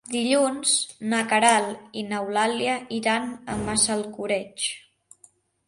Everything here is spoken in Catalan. Dilluns na Queralt i n'Eulàlia iran a Massalcoreig.